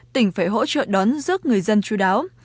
tỉnh phải hỗ trợ đón giúp người dân chú đáo